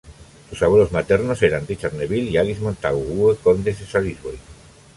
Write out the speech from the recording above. Sus abuelos maternos eran Richard Neville y Alice Montagu, V condes de Salisbury.